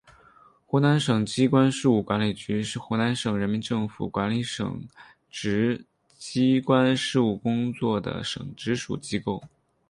湖南省机关事务管理局是湖南省人民政府管理省直机关事务工作的省直属机构。